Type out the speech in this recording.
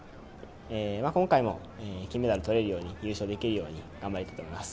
今回も金メダル取れるようにゆうしょうできるように頑張りたいと思います。